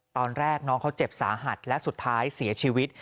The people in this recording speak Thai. ตอนแรกน้องเขาเจ็บสาหัสและสุดท้ายเสียชีวิต